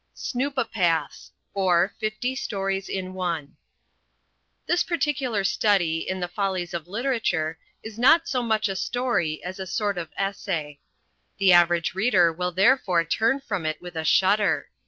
Snoopopaths; or, Fifty Stories in One This particular study in the follies of literature is not so much a story as a sort of essay. The average reader will therefore turn from it with a shudder.